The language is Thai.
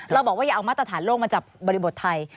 เราบอกว่าอย่าเอามาตรฐานโลกมาจับบริบทไทย